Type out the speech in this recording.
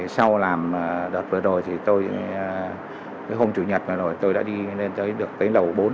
sau làm đợt vừa rồi thì tôi hôm chủ nhật rồi tôi đã đi lên tới lầu bốn